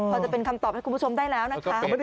พอจะเป็นคำตอบให้คุณผู้ชมได้แล้วนะคะ